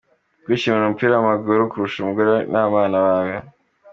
Kwishimira umupira w’amaguru kurusha umugore n’abana bawe.